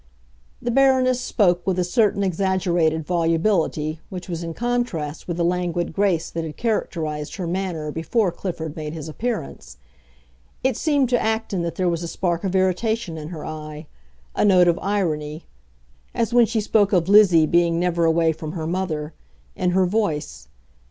The Baroness spoke with a certain exaggerated volubility which was in contrast with the languid grace that had characterized her manner before Clifford made his appearance. It seemed to Acton that there was a spark of irritation in her eye—a note of irony (as when she spoke of Lizzie being never away from her mother) in her voice.